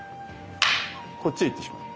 こっちへいってしまう。